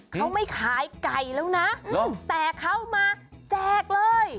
เขาไม่ขายไก่แล้วนะแต่เข้ามาแจกเลย